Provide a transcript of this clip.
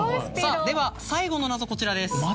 さぁでは最後の謎こちらです。